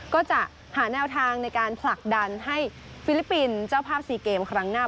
ก็จะหาแนวทางในการผลักดันให้ฟิลิปปินส์เจ้าภาพ๔เกมครั้งหน้า